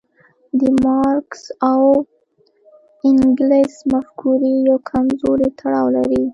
د مارکس او انګلز مفکورې یو کمزوری تړاو لري.